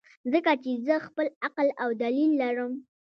ځکه چې زۀ خپل عقل او دليل لرم -